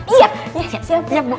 iya siap siap bu